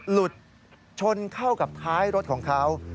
หลุดชนเข้ากับท้ายรถของเขา